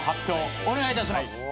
お願いいたします。